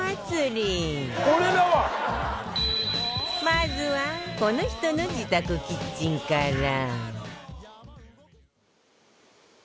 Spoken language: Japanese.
まずはこの人の自宅キッチンから